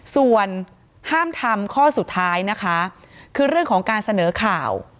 ส่วนห้ามทำข้อสุดท้ายนะคะคือเรื่องของการเสนอข่าว